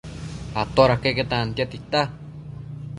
Atoda queque tantia tita